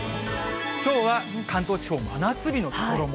きょうは関東地方、真夏日の所も。